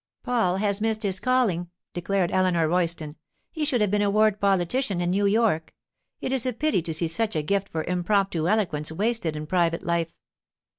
'Paul has missed his calling!' declared Eleanor Royston. 'He should have been a ward politician in New York. It is a pity to see such a gift for impromptu eloquence wasted in private life.